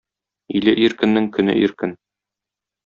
Иле иркеннең көне иркен.